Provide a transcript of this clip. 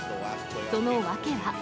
その訳は。